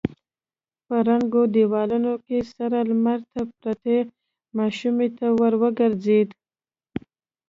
په ړنګو دېوالونو کې سره لمر ته پرتې ماشومې ته ور وګرځېد.